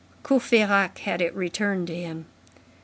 Courfeyrac had it returned to him.